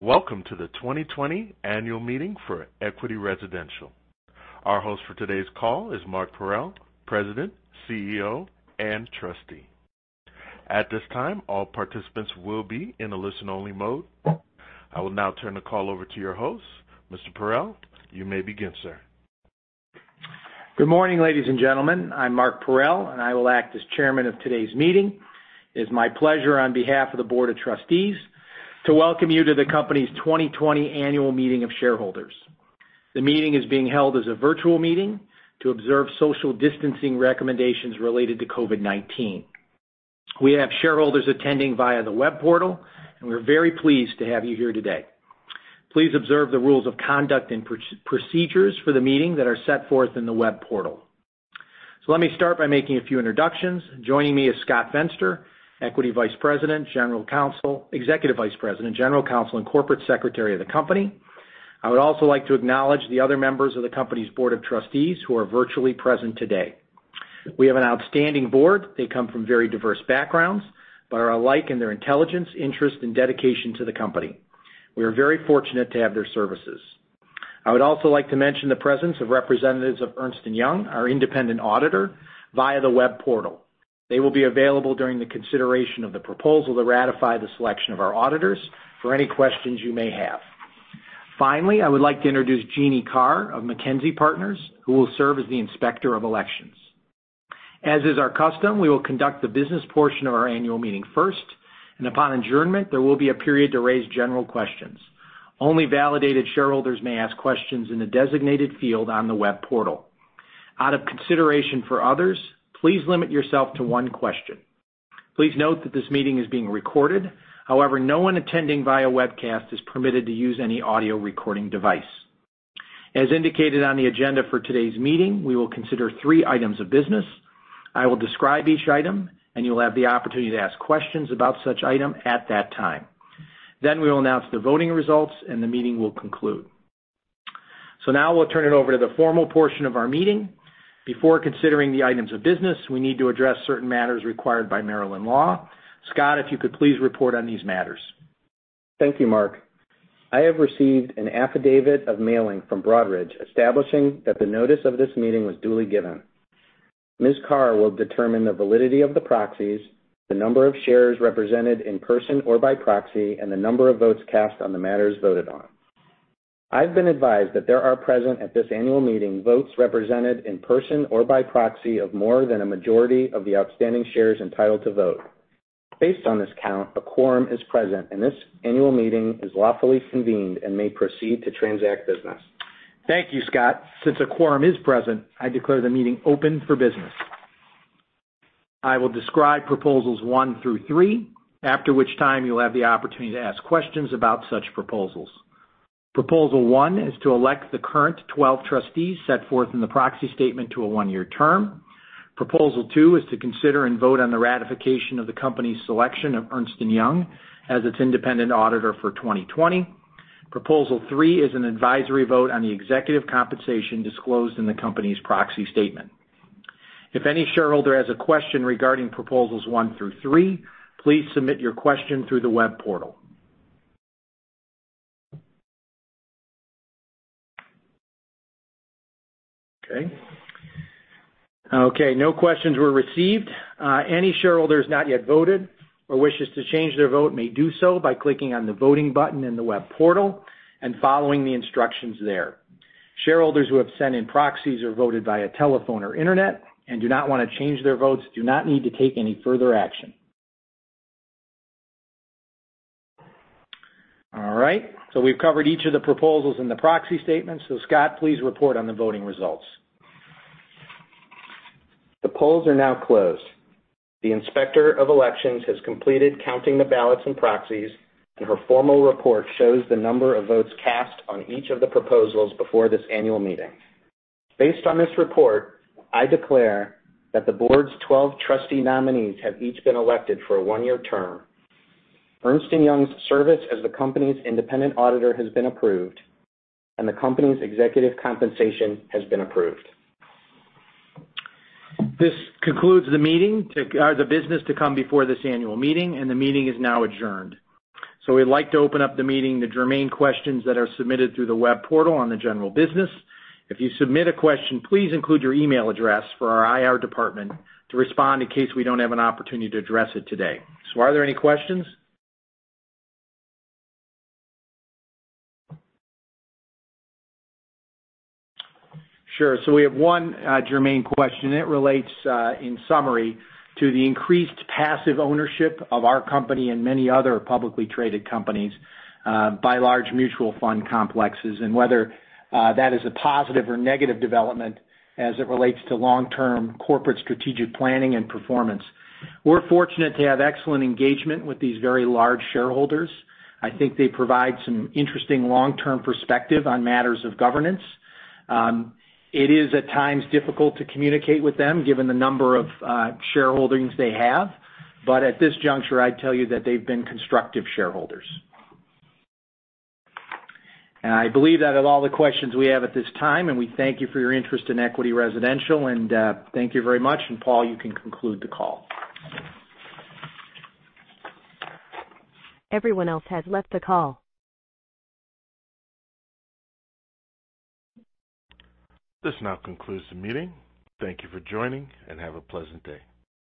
Welcome to the 2020 annual meeting for Equity Residential. Our host for today's call is Mark Parrell, President, CEO, and Trustee. At this time, all participants will be in a listen-only mode. I will now turn the call over to your host. Mr. Parrell, you may begin, sir. Good morning, ladies and gentlemen. I'm Mark Parrell, and I will act as chairman of today's meeting. It is my pleasure, on behalf of the board of trustees, to welcome you to the company's 2020 annual meeting of shareholders. The meeting is being held as a virtual meeting to observe social distancing recommendations related to COVID-19. We have shareholders attending via the web portal, and we're very pleased to have you here today. Please observe the rules of conduct and procedures for the meeting that are set forth in the web portal. Let me start by making a few introductions. Joining me is Scott Fenster, Executive Vice President, General Counsel, and Corporate Secretary of the company. I would also like to acknowledge the other members of the company's board of trustees who are virtually present today. We have an outstanding board. They come from very diverse backgrounds but are alike in their intelligence, interest, and dedication to the company. We are very fortunate to have their services. I would also like to mention the presence of representatives of Ernst & Young, our independent auditor, via the web portal. They will be available during the consideration of the proposal to ratify the selection of our auditors for any questions you may have. Finally, I would like to introduce Jeanne Carr of MacKenzie Partners, who will serve as the Inspector of Elections. As is our custom, we will conduct the business portion of our annual meeting first, and upon adjournment, there will be a period to raise general questions. Only validated shareholders may ask questions in the designated field on the web portal. Out of consideration for others, please limit yourself to one question. Please note that this meeting is being recorded. However, no one attending via webcast is permitted to use any audio recording device. As indicated on the agenda for today's meeting, we will consider three items of business. I will describe each item, and you will have the opportunity to ask questions about such item at that time. We will announce the voting results, and the meeting will conclude. Now we'll turn it over to the formal portion of our meeting. Before considering the items of business, we need to address certain matters required by Maryland law. Scott, if you could please report on these matters. Thank you, Mark. I have received an affidavit of mailing from Broadridge establishing that the notice of this meeting was duly given. Ms. Carr will determine the validity of the proxies, the number of shares represented in person or by proxy, and the number of votes cast on the matters voted on. I've been advised that there are present at this annual meeting votes represented in person or by proxy of more than a majority of the outstanding shares entitled to vote. Based on this count, a quorum is present. This annual meeting is lawfully convened and may proceed to transact business. Thank you, Scott. Since a quorum is present, I declare the meeting open for business. I will describe proposals one through three, after which time you will have the opportunity to ask questions about such proposals. Proposal one is to elect the current 12 trustees set forth in the proxy statement to a one-year term. Proposal two is to consider and vote on the ratification of the company's selection of Ernst & Young as its independent auditor for 2020. Proposal three is an advisory vote on the executive compensation disclosed in the company's proxy statement. If any shareholder has a question regarding proposals one through three, please submit your question through the web portal. Okay, no questions were received. Any shareholder who has not yet voted or wishes to change their vote may do so by clicking on the voting button in the web portal and following the instructions there. Shareholders who have sent in proxies or voted via telephone or internet and do not want to change their votes do not need to take any further action. All right, we've covered each of the proposals in the proxy statement. Scott, please report on the voting results. The polls are now closed. The Inspector of Elections has completed counting the ballots and proxies, and her formal report shows the number of votes cast on each of the proposals before this annual meeting. Based on this report, I declare that the board's 12 trustee nominees have each been elected for a one-year term. Ernst & Young's service as the company's independent auditor has been approved, and the company's executive compensation has been approved. This concludes the business to come before this annual meeting, and the meeting is now adjourned. We'd like to open up the meeting to germane questions that are submitted through the web portal on the general business. If you submit a question, please include your email address for our IR department to respond in case we don't have an opportunity to address it today. Are there any questions? Sure. We have one germane question. It relates, in summary, to the increased passive ownership of our company and many other publicly traded companies, by large mutual fund complexes, and whether that is a positive or negative development as it relates to long-term corporate strategic planning and performance. We're fortunate to have excellent engagement with these very large shareholders. I think they provide some interesting long-term perspective on matters of governance. It is at times difficult to communicate with them, given the number of shareholdings they have. At this juncture, I'd tell you that they've been constructive shareholders. I believe that is all the questions we have at this time. We thank you for your interest in Equity Residential. Thank you very much. Paul, you can conclude the call. This now concludes the meeting. Thank you for joining, and have a pleasant day.